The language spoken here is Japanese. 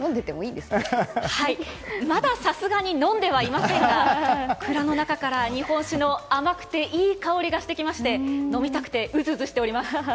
まださすがに飲んではいませんが蔵の中から、日本酒の甘くていい香りがしてきまして飲みたくてうずうずしております。